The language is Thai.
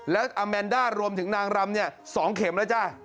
แล้วอาแมนด้ารวมถึงนางรำเนี่ย๒เข็มแล้วจ้ะ